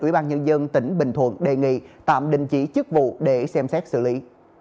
ủy ban nhân dân tỉnh bình thuận đề nghị tạm đình chỉ chức vụ để xem xét xử lý